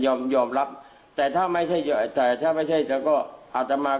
ยอมรับแต่ถ้าไม่ใช่แต่ถ้าไม่ใช่แต่ก็อาตมา